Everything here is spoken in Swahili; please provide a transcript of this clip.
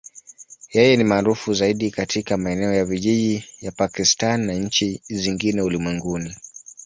Yeye ni maarufu zaidi katika maeneo ya vijijini ya Pakistan na nchi zingine ulimwenguni.